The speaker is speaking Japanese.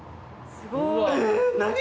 すごい。